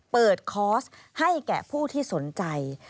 คอร์สให้แก่ผู้ที่สนใจ